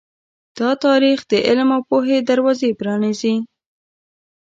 دا تاریخ د علم او پوهې دروازې پرانیزي.